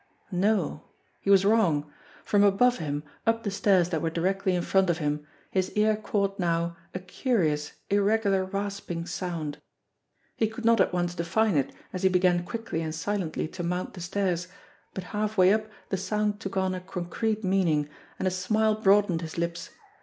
No ; he was wrong ! From above him, up the stairs that were directly in front of him, his ear caught now a curious, irregular rasping sound. He could not at once definite it as he began quickly and silently to mount the stairs, but half way up the sound took on a con crete meaning, and a smile broadened his lips.